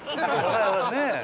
ねえ。